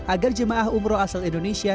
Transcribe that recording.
agar jemaah umroh asal indonesia